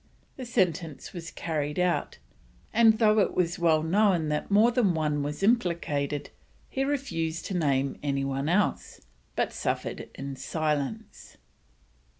The sentence was carried out, and though it was well known that more than one was implicated, he refused to name any one else, but suffered in silence.